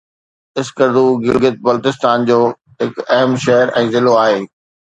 اسڪردو گلگت بلتستان جو هڪ اهم شهر ۽ ضلعو آهي